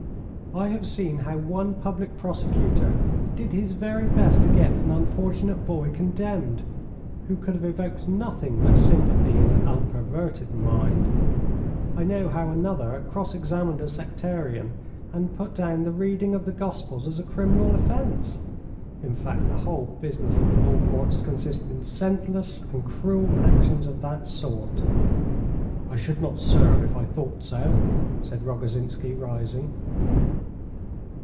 "I have seen how one public prosecutor did his very best to get an unfortunate boy condemned, who could have evoked nothing but sympathy in an unperverted mind. I know how another cross examined a sectarian and put down the reading of the Gospels as a criminal offence; in fact, the whole business of the Law Courts consists in senseless and cruel actions of that sort." "I should not serve if I thought so," said Rogozhinsky, rising.